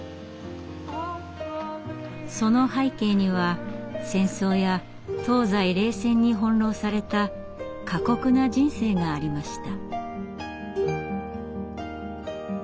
その背景には戦争や東西冷戦に翻弄された過酷な人生がありました。